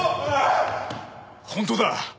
本当だ！